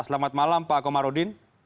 selamat malam pak komarudin